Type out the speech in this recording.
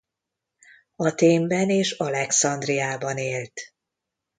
Athénben és Alexandriában élt.